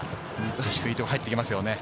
いいところ入ってきますよね。